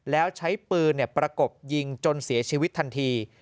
แล้วใช้ปืนประกบยิงจนเสียชีวิตทันที